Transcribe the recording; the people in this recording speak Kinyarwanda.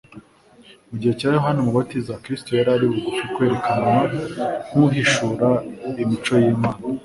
Mu gihe cya Yohana Umubatiza, Kristo yari ari bugufi kwerekanwa nk'uhishura imico y'Imana.